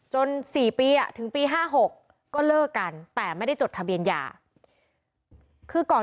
๔ปีถึงปี๕๖ก็เลิกกันแต่ไม่ได้จดทะเบียนยาคือก่อน